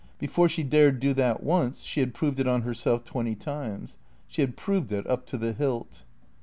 Before she dared do that once she had proved it on herself twenty times. She had proved it up to the hilt.